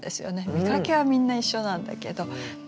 見かけはみんな一緒なんだけど特別な傘。